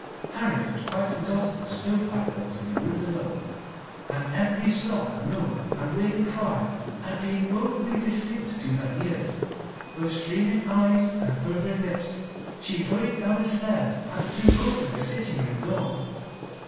Harriet had quite forgotten the stove pipe hole to the room below, and every sob and moan and wailing cry had been woefully distinct to her ears. With streaming eyes and quivering lips she hurried down the stairs and threw open the sitting room door.